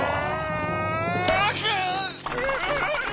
あ！